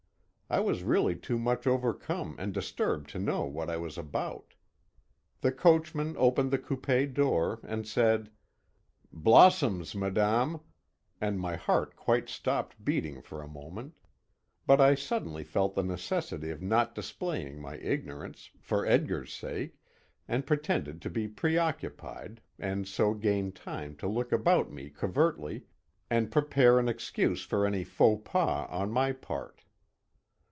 I was really too much overcome and disturbed to know what I was about. The coachman opened the coupé door, and said: "Blossom's, madame," and my heart quite stopped beating for a moment. But I suddenly felt the necessity of not displaying my ignorance, for Edgar's sake, and pretended to be preoccupied, and so gained time to look about me covertly, and prepare an excuse for any faux pas on my part.